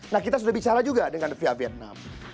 nah kita sudah bicara juga dengan via vietnam